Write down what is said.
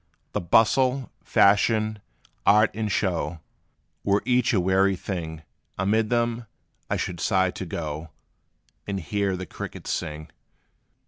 The bustle, fashion, art and show Were each a weary thing; Amid them, I should sigh to go And hear the crickets sing.